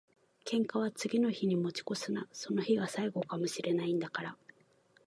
喧嘩は次の日に持ち越すな。その日が最後かも知れないんだから。